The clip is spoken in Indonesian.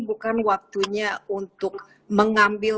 bukan waktunya untuk mengambil